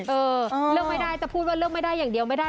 เออเลือกไม่ได้แต่พูดว่าเลือกไม่ได้อย่างเดียวไม่ได้